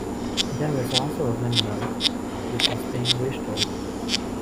There is also a windmill, which is being restored.